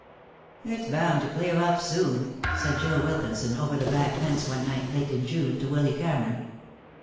"It's bound to clear up soon," said Joe Wilkinson over the back fence one night late in June, to Willy Cameron.